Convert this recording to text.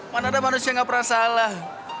mana ada manusia yang gak pernah salah